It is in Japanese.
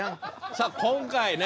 さあ今回ね。